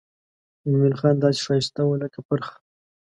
مومن خان داسې ښایسته و لکه پرخه.